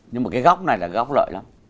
nhưng mà cái góc này là góc lợi lắm